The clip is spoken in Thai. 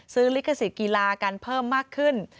ลิขสิทธิ์กีฬากันเพิ่มมากขึ้น